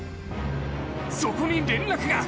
そこに連絡が！